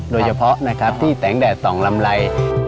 โดยเฉพาะที่แตงแดดต่องลำไร